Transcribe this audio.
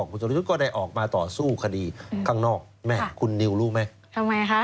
คุณสรยุทธ์ก็ได้ออกมาต่อสู้คดีข้างนอกแม่คุณนิวรู้ไหมทำไมคะ